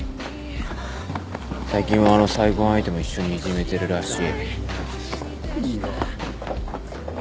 最近はあの再婚相手も一緒にいじめてるらしい。